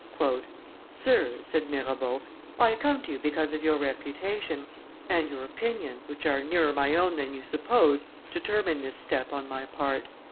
"Sir," said Mirabean, "I come to you because of your reputation; and your opinions, which are nearer my own than you suppose, determine this step on my part.